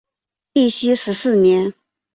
义熙十四年。